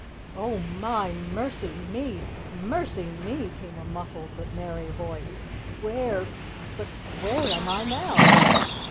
"Oh, my, mercy me! Mercy, me!" came a muffled but merry voice. "Where but where am I now?"